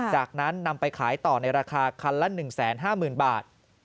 จากนั้นนำไปขายต่อในราคาคันละ๑๕๐๐๐บาท